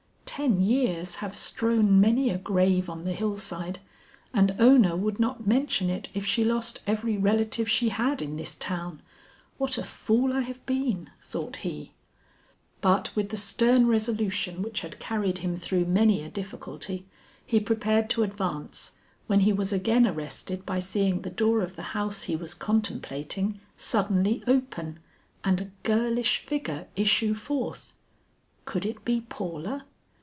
"Ten years have strown many a grave on the hillside and Ona would not mention it if she lost every relative she had in this town. What a fool I have been," thought he. But with the stern resolution which had carried him through many a difficulty, he prepared to advance, when he was again arrested by seeing the door of the house he was contemplating, suddenly open and a girlish figure issue forth. Could it be Paula?